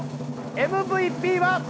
ＭＶＰは。